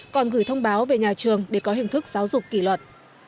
còn gửi thông báo về nhà trường để có hình thức giáo dục kỷ luật